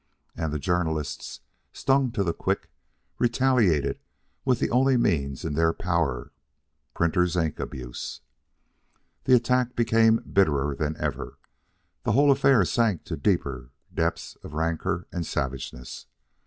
And the journalists, stung to the quick, retaliated with the only means in their power printer's ink abuse. The attack became bitterer than ever. The whole affair sank to the deeper deeps of rancor and savageness.